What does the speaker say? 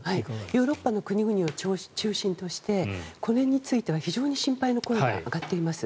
ヨーロッパの国々を中心として、これについては非常に心配の声が上がっています。